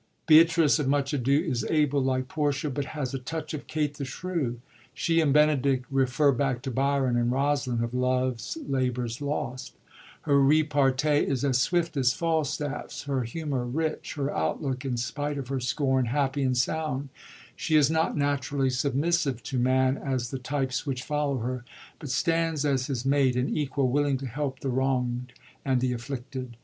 Beatrice of Much Ado is able, like Portia, but has a touch of Kate the Shrew ; she and Benedick refer back to Biron and Rosaline of Lovers Labov/r^a Lost, Her repartee is as swift as Falstaff's, her humor rich, her outlook, in spite of her scorn, happy and sound ; she is not naturally submissive to man as the types which follow her, but stands as his mate and equal, willing to help the wrong'd and the afflicted.